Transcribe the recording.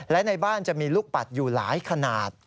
และในบ้านจะมีลูกปัดอยู่หลายขนาด